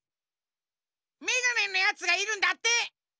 メガネのやつがいるんだって！